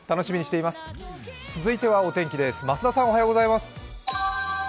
続いてはお天気です。